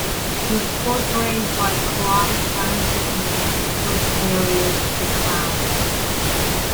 He is portrayed by Clive Francis in the Netflix series "The Crown".